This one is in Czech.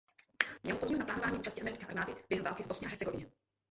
Měl podíl na plánování účasti americké armády během Války v Bosně a Hercegovině.